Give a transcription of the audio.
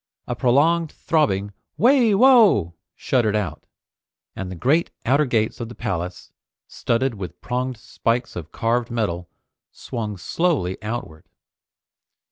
A prolonged throbbing "Wai! Wo!" shuddered out, and the great outer gates of the palace, studded with pronged spikes of carved metal, swung slowly outward.